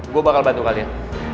gue bakal bantu kalian